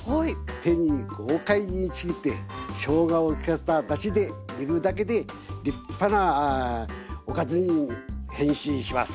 手で豪快にちぎってしょうがを利かせただしで煮るだけで立派なおかずに変身します。